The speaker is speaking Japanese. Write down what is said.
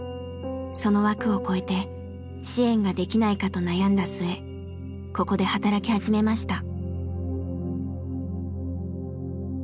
その枠を超えて支援ができないかと悩んだ末ここで働き始めました。